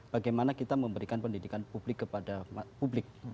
bagaimana kita memberikan pendidikan publik kepada publik